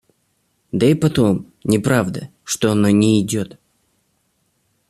Да и потом, не правда, что оно нейдет.